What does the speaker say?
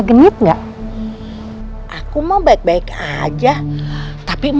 genit nggak aku mau baik baik aja tapi